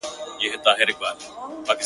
• ته به د غم يو لوى بيابان سې گرانــــــي.